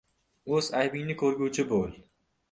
— O‘z aybingni ko‘rguvchi bo‘l.